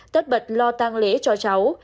tất bật lo tăng lễ cho cháu